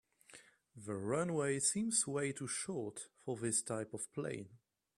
The runway seems way to short for this type of plane.